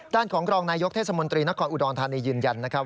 ด้านของรองนายกเทศมนตรีนครอุดรธานียืนยันนะครับ